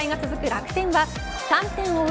楽天は３点を追う